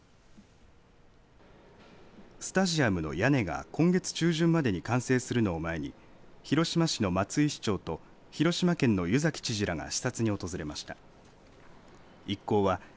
スタジアムの屋根が今月中旬までに完成するのを前に広島市の松井市長と広島県の湯崎知事らが視察に訪れました。